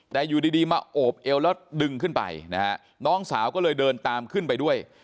แต่อยู่ดีมาโอบเอวแล้วดึงขึ้นไปนะฮะน้องสาวก็เลยเดินตามขึ้นไปด้วย